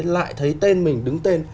lại thấy tên mình đứng tên